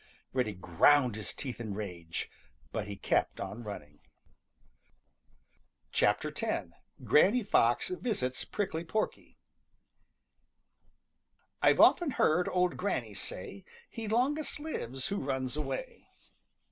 Reddy ground his teeth in rage, but he kept on running. X. GRANNY FOX VISITS PRICKLY PORKY "I've often heard old Granny say: ' He longest lives who runs away.'"